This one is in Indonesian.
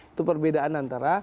itu perbedaan antara